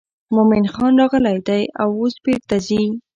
مومن خان راغلی دی او اوس بیرته ځي.